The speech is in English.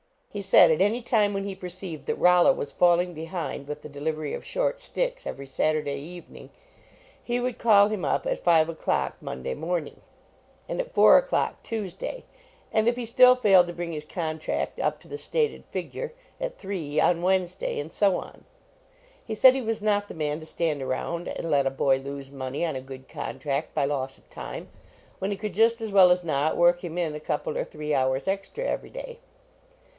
He said at any time when li : ved th.it Rollo was falling behind with the delivery of short sticks every Saturday evening, he would call him up at five o clock Monday morning, 103 JONAS and at four o clock Tuesday, and if he still failed to bring his contract up to the stated figure, at three on Wednesday, and so on. He said he was not the man to stand around and let a boy lose money on a good contract by loss of time, when he could just as well as not work him in a couple or three hours ex tra every day.